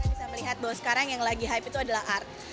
bisa melihat bahwa sekarang yang lagi hype itu adalah art